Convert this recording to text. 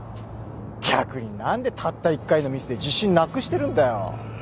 逆に何でたった一回のミスで自信なくしてるんだよ。